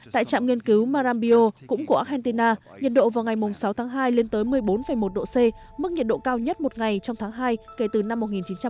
tại trạm nghiên cứu marambio cũng của argentina nhiệt độ vào ngày sáu tháng hai lên tới một mươi bốn một độ c mức nhiệt độ cao nhất một ngày trong tháng hai kể từ năm một nghìn chín trăm tám mươi